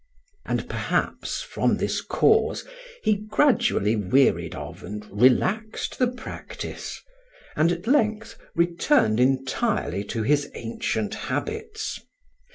And perhaps, from this cause, he gradually wearied of and relaxed the practice, and at length returned entirely to his ancient habits.